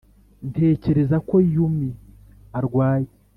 ntekereza ko yumi arwaye.